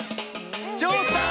「ちょうさん」。